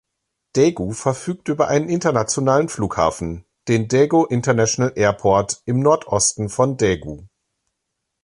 Daegu verfügt über einen internationalen Flughafen, den Daegu International Airport im Nordosten von Daegu.